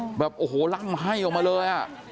โอ้โฮแบบโอ้โฮล่ำให้ออกมาเลย